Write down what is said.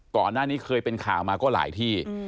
ก่อนหน้านี้เคยเป็นข่าวมาก็หลายที่